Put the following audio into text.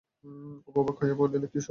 অপু অবাক হইয়া বলে, কি সুরেশদা?